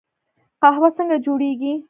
قهوه څنګه جوړیږي؟